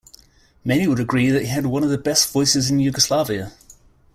Many would agree that he had one of the best voices in Yugoslavia.